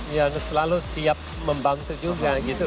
yang selalu siap membantu juga gitu